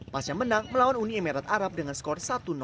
pasca menang melawan uni emirat arab dengan skor satu